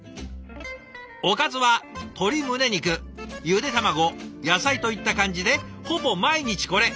おかずは鶏むね肉ゆで卵野菜といった感じでほぼ毎日これ。